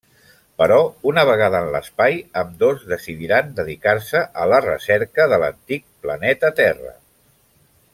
Però una vegada en l'espai, ambdós decidiran dedicar-se a la recerca de l'antic planeta Terra.